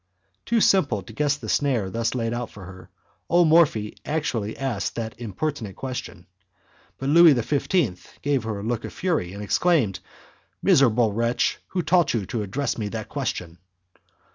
Too simple to guess the snare thus laid out for her, O Morphi actually asked that impertinent question; but Louis XV. gave her a look of fury, and exclaimed, "Miserable wretch! who taught you to address me that question?"